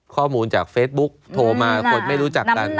ข้อมูลจากเฟซบุ๊คโทรมาคนไม่รู้จักกันน้ำหนักอะนะ